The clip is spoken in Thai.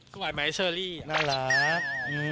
ไหวไหมเชอรี่น่ารัก